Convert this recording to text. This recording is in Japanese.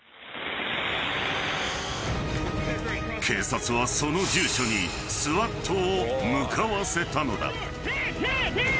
［警察はその住所にＳＷＡＴを向かわせたのだ］